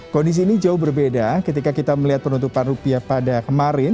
kondisi ini jauh berbeda ketika kita melihat penutupan rupiah pada kemarin